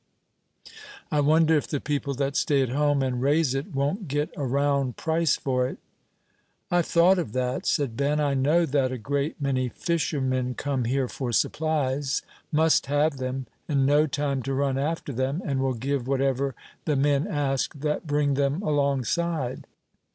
I wonder if the people that stay at home and raise it won't get a round price for it." "I've thought of that," said Ben. "I know that a great many fishermen come here for supplies, must have them, and no time to run after them, and will give whatever the men ask that bring them alongside."